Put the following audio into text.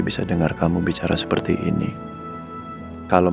aku harapnya bila nanti kayak ada pujiannya itu